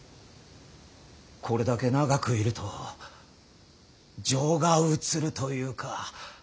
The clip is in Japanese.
これだけ長くいると情が移るというか。